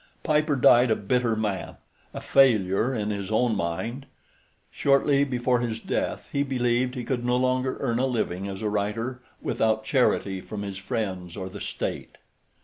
Piper died a bitter man, a failure in his own mind; shortly before his death he believed he could no longer earn a living as a writer without charity from his friends or the state.